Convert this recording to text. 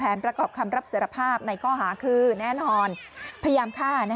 ประกอบคำรับสารภาพในข้อหาคือแน่นอนพยายามฆ่า